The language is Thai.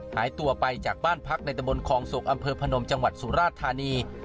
หายตัวไปจากบ้านพักในตะบนคลองศกอำเภอพนมจังหวัดสุราชธานี